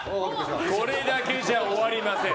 これだけじゃ終わりません！